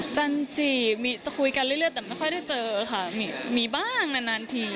จันจีจะคุยกันเรื่อยแต่ไม่ค่อยได้เจอค่ะมีบ้างนานที